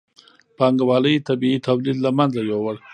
پانګوالۍ طبیعي تولید له منځه یووړ.